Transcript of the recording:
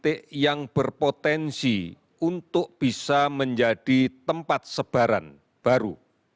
titik yang berpotensi untuk bisa menjadi tempat sebaran baru